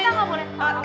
kita gak boleh tahu